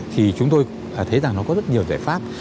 thì chúng tôi thấy rằng nó có rất nhiều giải pháp